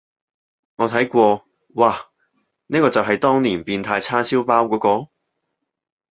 我睇過，嘩，呢個就係當年變態叉燒包嗰個？